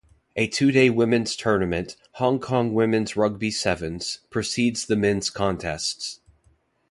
A two-day women's tournament, Hong Kong Women's Rugby Sevens, precedes the men's contests.